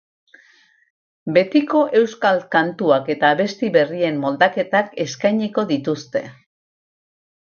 Betiko euskal kantuak eta abesti berrien moldaketak eskainiko dituzte.